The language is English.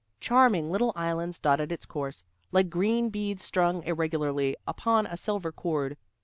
Charming little islands dotted its course, like green beads strung irregularly upon a silver cord.